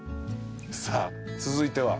さあ続いては？